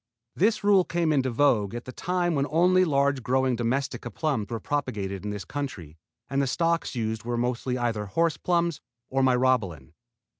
This rule came into vogue at the time when only large growing Domestica plums were propagated in this country and the stocks used were mostly either "horse plums" or Myrobalan.